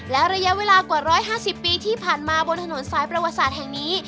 และระยะเวลากว่า๑๕๐ปีที่ผ่านมาบนถนนสายประวัติศาสตร์แห่งนี้